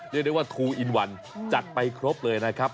เรียกได้ว่าทูอินวันจัดไปครบเลยนะครับ